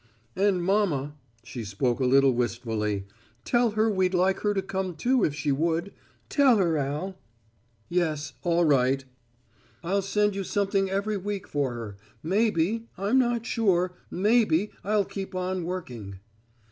"And mama," she spoke a little wistfully, "tell her we'd like her to come too if she would. Tell her, Al." "Yes, all right." "I'll send you something every week for her. Maybe, I'm not sure, maybe I'll keep on working."